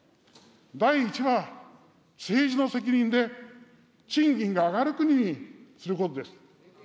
第１は、政治の責任で、賃金が上がる国にすることです。